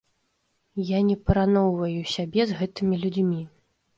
Я не параўноўваю сябе з гэтымі людзьмі.